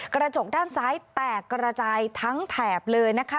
กระจกด้านซ้ายแตกกระจายทั้งแถบเลยนะคะ